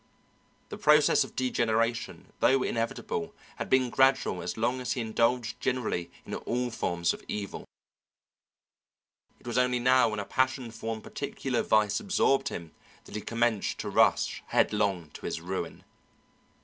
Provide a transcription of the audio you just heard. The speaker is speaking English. The process of degeneration, though inevitable, had been gradual as long as he indulged generally in all forms of evil; it was only now when a passion for one particular vice absorbed him that he commenced to rush headlong to his ruin.